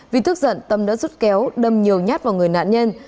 vì thức giận tâm đã rút kéo đâm nhiều nhát vào người nạn nhân